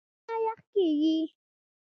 زما یخ کېږي .